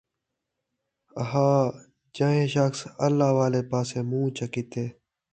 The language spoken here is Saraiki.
ہا، جَیں شخص اللہ والے پاسے مُن٘ہ چا کِیتے،